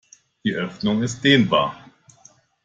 Die Öffnung ist dehnbar.